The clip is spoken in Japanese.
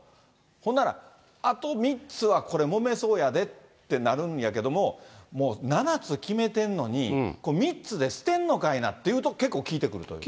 ほんなら、あと３つはこれ、もめそうやでってなるんやけども、もう、７つ決めてるのに３つで捨てんのかいなっていうと結構、効いてくるという。